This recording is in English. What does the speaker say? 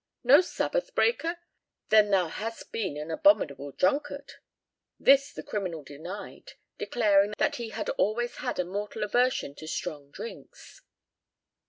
"No sabbath breaker? then thou hast been an abominable drunkard?" This the criminal denied, declaring that he had always had a mortal aversion to strong drinks.